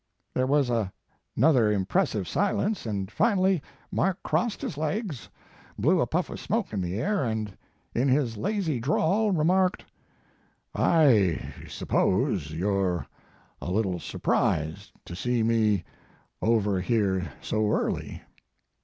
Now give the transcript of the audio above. "There was another impressive silence, and finally Mark crossed his legs, blew a puff of smoke in the air, and in his lazy drawl, remarked: *I suppose you re a little surprised to see me over here so early.